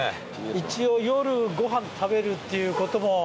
一応夜ご飯食べるっていうことも。